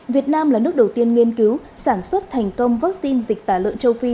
việt nam là nước đầu tiên nghiên cứu sản xuất thành công vaccine dịch tả lợn châu phi